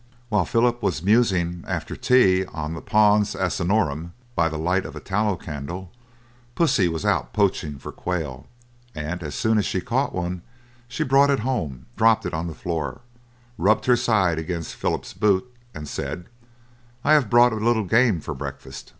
While Philip was musing after tea on the "Pons Asinorum" by the light of a tallow candle, Pussy was out poaching for quail, and as soon as she caught one she brought it home, dropped it on the floor, rubbed her side against Philip's boot, and said, "I have brought a little game for breakfast."